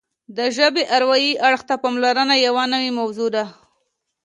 د ژبې اروايي اړخ ته پاملرنه یوه نوې موضوع ده